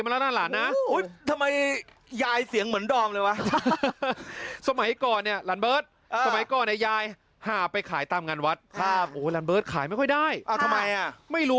มันจะหอมแบบนี้นี่แบะให้ดู